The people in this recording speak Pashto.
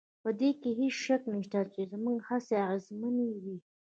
په دې کې هېڅ شک نشته چې زموږ هڅې اغېزمنې وې